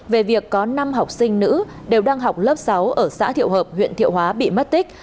về việc có năm học sinh nữ đều đang học lớp sáu ở xã thiệu hợp huyện thiệu hóa bị mất tích